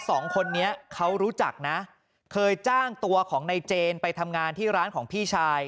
สองคนนี้เขารู้จักนะเคยจ้างตัวของในเจนไปทำงานที่ร้านของพี่ชาย